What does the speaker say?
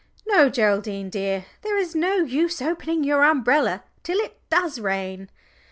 No, Geraldine dear, there is no use opening your umbrella till it does rain."